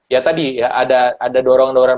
ya tadi ya ada dorong dorongan